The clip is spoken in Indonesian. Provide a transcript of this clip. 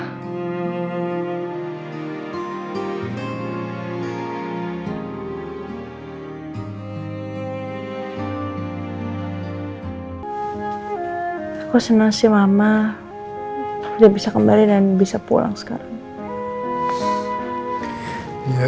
aku senang sih mama dia bisa kembali dan bisa pulang sekarang